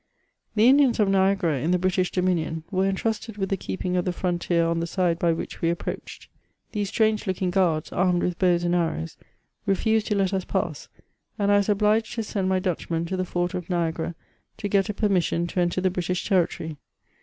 The Indians of Niagara, in the British dominion, were entrusted with the keeping of the frontier on the side by which we ap proached ; these strange looking guards, armed with bows and arrows, re^ed to let us pass, and I was obliged to send my Dutch man to the fort of Niagara to get a permission to enter the British territory.